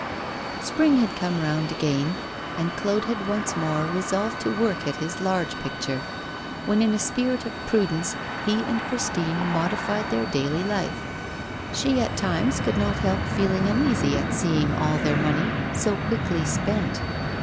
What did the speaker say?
Spring had come round again, and Claude had once more resolved to work at his large picture, when in a spirit of prudence he and Christine modified their daily life. She, at times, could not help feeling uneasy at seeing all their money so quickly spent.